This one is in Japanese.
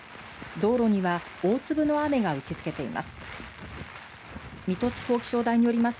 道路には大粒の雨が打ちつけています。